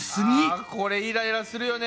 あこれイライラするよね。